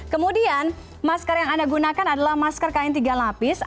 kemudian masker yang anda gunakan adalah masker kain tiga lapis